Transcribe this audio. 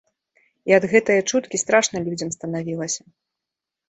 І ад гэтае чуткі страшна людзям станавілася.